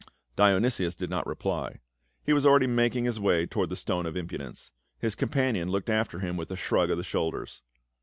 Dionysius did not reply ; he was already making his way toward the " Stone of Impudence." His com panion looked after him with a shrug of the shoulders.